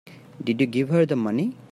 Did you give her the money?